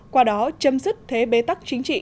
qua đó chấm dứt thế bế tắc chính trị